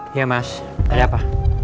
iya mas ada apa